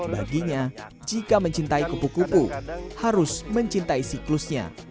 baginya jika mencintai kupu kupu harus mencintai siklusnya